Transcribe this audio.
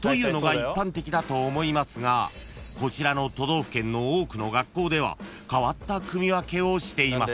一般的だと思いますがこちらの都道府県の多くの学校では変わった組分けをしています］